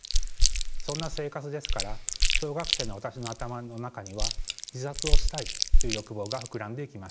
そんな生活ですから小学生の私の頭の中には自殺をしたいという欲望が膨らんでいきました。